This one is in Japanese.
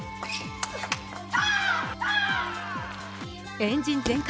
エンジン全開！